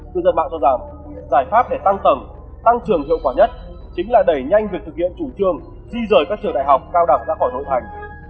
tư dân mạng cho rằng giải pháp để tăng tầng tăng trường hiệu quả nhất chính là đẩy nhanh việc thực hiện chủ trương di rời các trường đại học cao đẳng ra khỏi nội thành